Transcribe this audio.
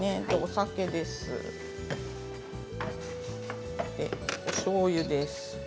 そして、おしょうゆです。